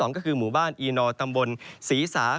ก็คือบริเวณอำเภอเมืองอุดรธานีนะครับ